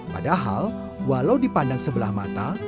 padahal walau dipandang sebelah mata